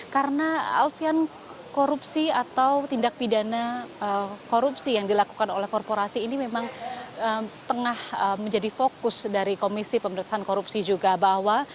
karena alfian korupsi atau tindak pidana korupsi yang dilakukan oleh korporasi ini memang tengah menjadi fokus dari komisi pemerintahan korupsi juga bahwa